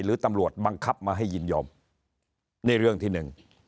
หรือตำรวจบังคับมาให้ยินยอมนี่เรื่องที่หนึ่ง